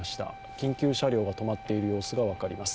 緊急車両が止まっている様子が分かります。